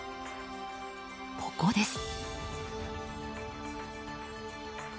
ここです。